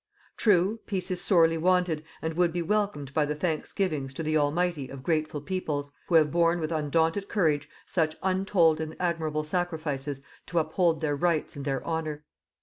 True, peace is sorely wanted, and would be welcomed by the thanksgivings to the Almighty of grateful peoples, who have borne with undaunted courage such untold and admirable sacrifices to uphold their Rights and their Honour.